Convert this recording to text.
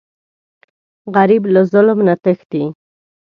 غریب له ظلم نه تښتي